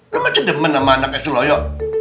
lu mah cedemen sama anaknya seloyo